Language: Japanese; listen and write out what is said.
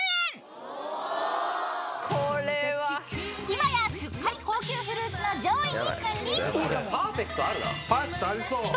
［今やすっかり高級フルーツの上位に君臨］